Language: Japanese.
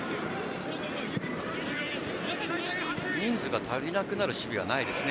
人数が足りなくなる守備はないですね。